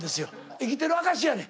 生きてる証しやねん。